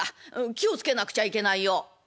気を付けなくちゃいけないよ」。